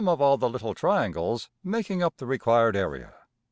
png}% of all the little triangles making up the required area.